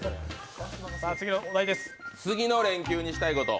次の連休にしたいこと。